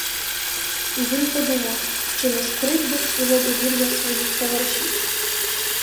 І він подумав, чи не скривдив уже довір'я своїх товаришів.